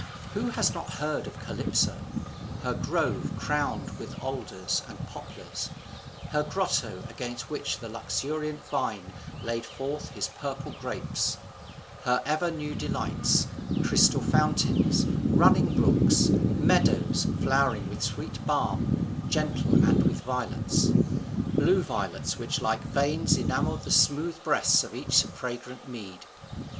Who has not heard of Calypso? her grove crowned with alders and poplars; her grotto, against which the luxuriant vine laid forth his purple grapes; her ever new delights, crystal fountains, running brooks, meadows flowering with sweet balm gentle and with violet; blue violets which like veins enamelled the smooth breasts of each fragrant mead!